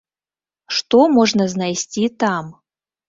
Што можна знайсці там?